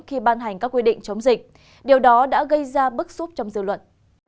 khi ban hành các quy định chống dịch điều đó đã gây ra bức xúc trong dư luận